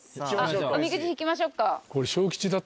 おみくじ引きましょっか。